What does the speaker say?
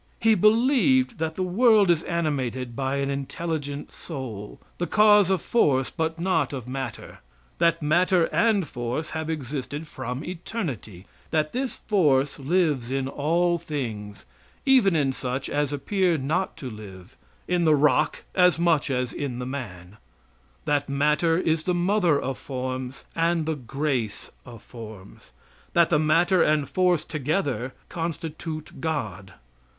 He believed that the world is animated by an intelligent soul, the cause of force but not of matter; that matter and force have existed from eternity; that this force lives in all things, even in such as appear not to live in the rock as much as in the man; that matter is the mother of forms and the grace of forms; that the matter and force together constitute God.